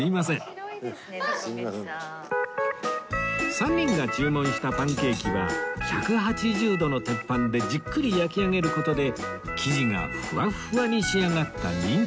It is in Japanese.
３人が注文したパンケーキは１８０度の鉄板でじっくり焼き上げる事で生地がフワフワに仕上がった人気メニュー